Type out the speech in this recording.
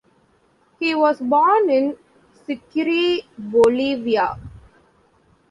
He was born in Sucre, Bolivia.